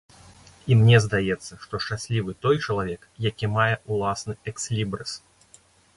І мне здаецца, што шчаслівы той чалавек, які мае ўласны экслібрыс.